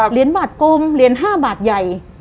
เหรียญบาทกลมเหรียญ๕บาทใหญ่